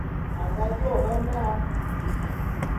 A nga jô bé na.